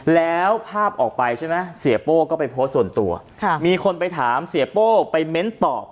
แล้วภาพออกไปใช่ไหมเสียโป้ก็ไปโพสต์ส่วนตัวมีคนไปถามเสียโป้ไปเม้นตอบ